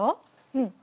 うん。